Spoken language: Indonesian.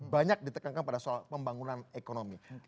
banyak ditekankan pada soal pembangunan ekonomi